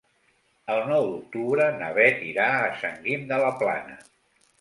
El nou d'octubre na Beth irà a Sant Guim de la Plana.